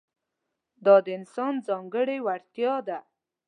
دا د انسان ځانګړې وړتیا ده.